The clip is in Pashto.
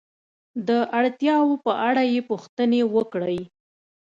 د اړتیاو په اړه یې پوښتنې وکړئ.